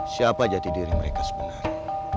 siapa jati diri mereka sebenarnya